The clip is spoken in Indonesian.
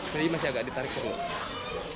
jadi masih agak ditarik dulu